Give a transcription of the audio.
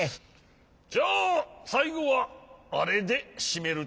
じゃあさいごはあれでしめるとしよう。